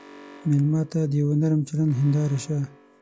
مېلمه ته د یوه نرم چلند هنداره شه.